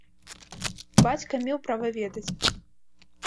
Бацька меў права ведаць.